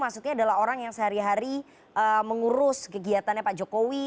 maksudnya adalah orang yang sehari hari mengurus kegiatannya pak jokowi